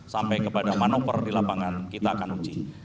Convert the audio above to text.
sampai kepada manoper di lapangan kita akan uji